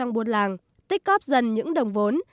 vàng tích cóp dần những đồng vốn